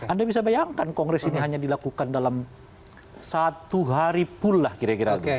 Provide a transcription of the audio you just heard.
anda bisa bayangkan kongres ini hanya dilakukan dalam satu hari pula kira kira